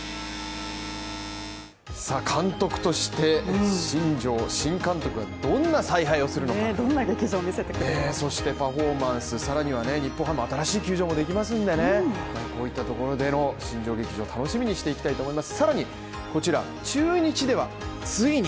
監督として新庄新監督は、どんな采配をするのかさらにはね日本ハム新しい球場もできますんでねこういったところでの新庄劇場を楽しみにしていきたいと思います